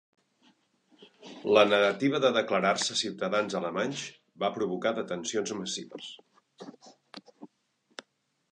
La negativa de declarar-se ciutadans alemanys va provocar detencions massives.